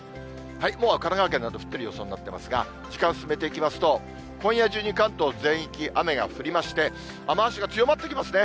もう神奈川県などは降っている予想になっていますが、時間進めていきますと、今夜中に関東全域、雨が降りまして、雨足が強まってきますね。